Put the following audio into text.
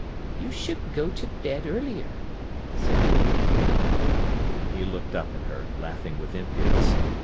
"You should go to bed earlier," said the woman. He looked up at her, laughing with impudence.